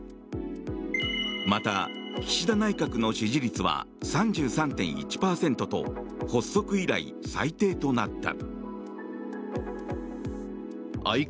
また、岸田内閣の支持率は３３．１％と発足以来最低となった。